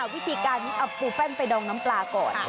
วิธีการนี้เอาปูแป้นไปดองน้ำปลาก่อน